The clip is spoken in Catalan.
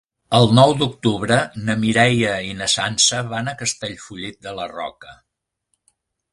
El nou d'octubre na Mireia i na Sança van a Castellfollit de la Roca.